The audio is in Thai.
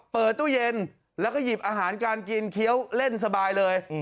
เปิดตู้เย็นแล้วก็หยิบอาหารการกินเคี้ยวเล่นสบายเลย